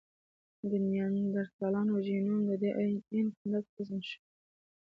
د نیاندرتالانو ژینوم د ډياېناې په مرسته رسم شو.